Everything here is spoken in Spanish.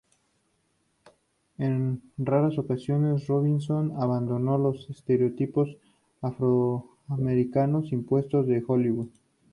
En raras ocasiones, Robinson abandonó los estereotipos afroamericanos impuestos por Hollywood.